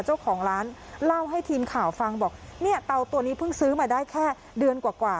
เจ้าของร้านเล่าให้ทีมข่าวฟังบอกเนี่ยเตาตัวนี้เพิ่งซื้อมาได้แค่เดือนกว่า